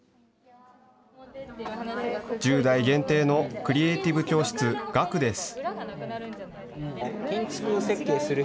１０代限定のクリエイティブ教室ＧＡＫＵです。